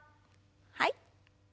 はい。